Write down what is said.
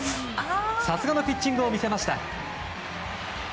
さすがのピッチングを見せました。